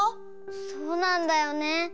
そうなんだよね。